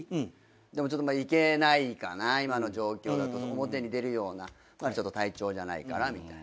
でもちょっと行けないかな今の状況だと表に出るような体調じゃないからみたいな。